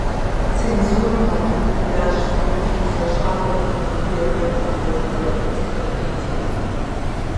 Цензурэм къапиубыдащ франджы узэщӏакӏуэ Деламберрэ Дидрорэ я энциклопедиехэр.